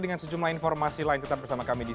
dengan sejumlah informasi lain tetap bersama kami di